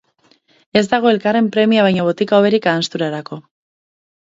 Ez dago elkarren premia baina botika hoberik ahanzturarako.